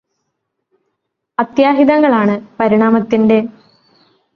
അത്യാഹിതങ്ങളാണ് പരിണാമത്തിന്റെ